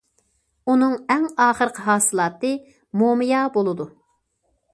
ئۇنىڭ ئەڭ ئاخىرقى ھاسىلاتى مۇمىيا بولىدۇ.